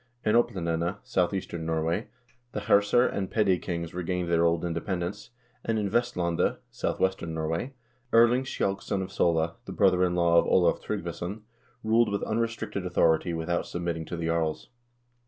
In Oplandene (southeastern Norway) the herser and petty kings regained their old independence, and in Vestlandet (south western Norway) Erling Skjalgsson of Sole, the brother in law of Olav Tryggvason, ruled with unrestricted authority without sub mitting to the jarls.